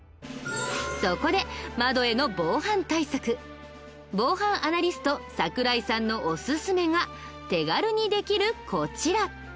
そこで防犯アナリスト桜井さんのおすすめが手軽にできるこちら。